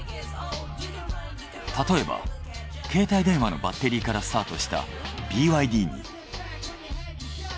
たとえば携帯電話のバッテリーからスタートしたＢＹＤに。